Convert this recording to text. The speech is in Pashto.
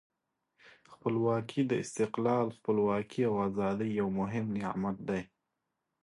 خپلواکي د استقلال، خپلواکي او آزادۍ یو مهم نعمت دی.